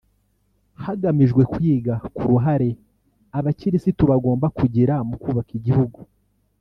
hagamijwe kwiga ku ruhare abakirisitu bagomba kugira mu kubaka igihugu